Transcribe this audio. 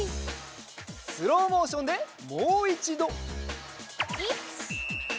スローモーションでもういちど！